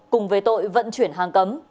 cùng về tội vật tội